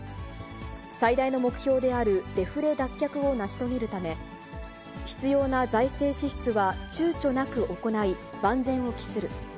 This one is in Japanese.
最大の目標であるデフレ脱却を成し遂げるため、必要な財政支出はちゅうちょなく行い、万全を期する。